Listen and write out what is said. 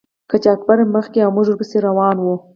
قاچاقبر مخکې او موږ ور پسې روان وو.